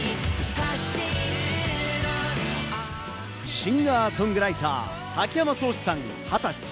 シンガー・ソングライター、崎山蒼志さん、２０歳。